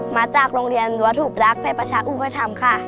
มาจากโรงเรียนวัตถุรักษ์ภัยประชาอุปธรรมค่ะ